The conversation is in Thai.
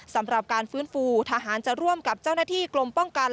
สำหรับการฟื้นฟูทหารจะร่วมกับเจ้าหน้าที่กลมป้องกัน